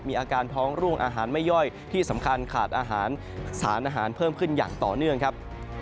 อาการท้องร่วงอาหารไม่ย่อยที่สำคัญขาดอาหารสารอาหารเพิ่มขึ้นอย่างต่อเนื่องครับ